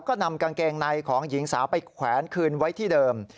ก็นำกางเกงในของหญิงสาวไปแขวนคืนไว้ที่เดิม